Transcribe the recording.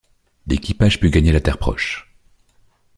L'équipage put gagner la terre proche.